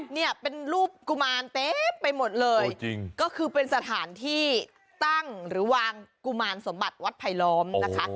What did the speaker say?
เนี่ยเป็นรูปกุมารเต็มไปหมดเลยจริงก็คือเป็นสถานที่ตั้งหรือวางกุมารสมบัติวัดไผลล้อมนะคะ